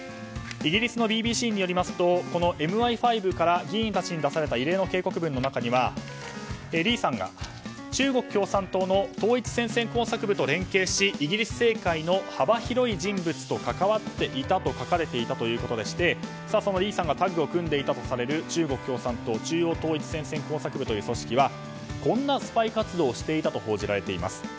イギリスのＢＢＣによりますとこのＭＩ５から議員たちに出された異例の警告文の中にはリーさんが中国共産党の統一戦線工作部と連携しイギリス政界の幅広い人物と関わっていたと書かれていたということでしてリーさんがタッグを組んでいたとされる中国共産党中央統一戦線工作部という組織はこんなスパイ活動をしていたと報じられています。